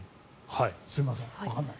すいません、わからない。